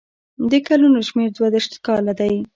د کلونو شمېر دوه دېرش کاله دی.